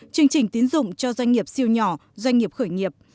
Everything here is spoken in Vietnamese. chương trình tín dụng cho doanh nghiệp siêu nhỏ doanh nghiệp khởi nghiệp